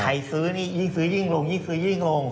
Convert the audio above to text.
ซื้อนี่ยิ่งซื้อยิ่งลงยิ่งซื้อยิ่งลง